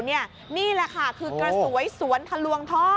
นี่แหละค่ะคือกระสวยสวนทะลวงท่อ